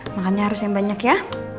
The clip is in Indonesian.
makannya harus yang banyak ya